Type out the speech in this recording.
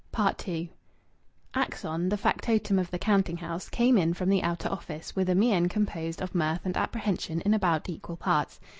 II Axon, the factotum of the counting house, came in from the outer office, with a mien composed of mirth and apprehension in about equal parts.